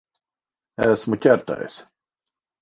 Esmu ķertais.